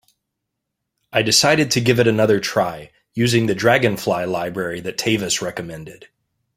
I decided to give it another try, using the Dragonfly library that Tavis recommended.